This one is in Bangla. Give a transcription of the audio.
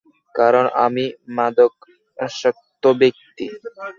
কারণ আমি মাদকাসক্ত ব্যক্তি।